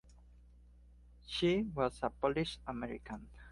She was Polish American.